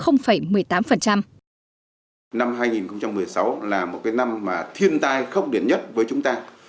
năm hai nghìn một mươi sáu là một năm thiên tai khốc điển nhất với chúng ta